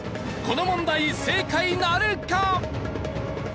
この問題正解なるか？